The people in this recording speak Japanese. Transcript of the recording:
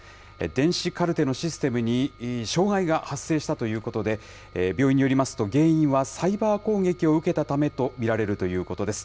電子カルテのシステムに障害が発生したということで、病院によりますと、原因はサイバー攻撃を受けたためと見られるということです。